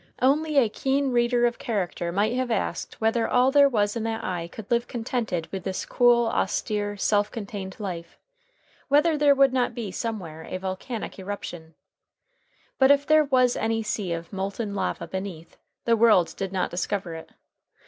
Only a keen reader of character might have asked whether all there was in that eye could live contented with this cool, austere, self contained life; whether there would not be somewhere a volcanic eruption. But if there was any sea of molten lava beneath, the world did not discover it.